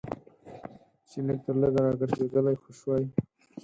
چې لږ تر لږه راګرځېدلی خو شوای.